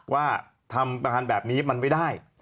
ว่าทำการแบบนี้มันไม่ได้